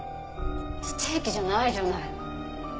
ステーキじゃないじゃない。